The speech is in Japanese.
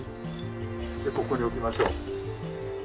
でここに置きましょう。